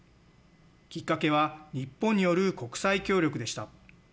きっかけは日本による国際協力でした。